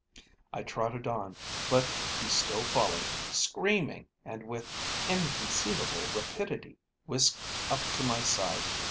"I trotted on, but he still followed, screaming, and, with inconceivable rapidity, whisked up to my side.